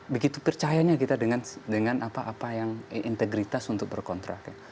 begitu percayanya kita dengan integritas untuk berkontrak